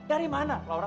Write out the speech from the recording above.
dari mana laura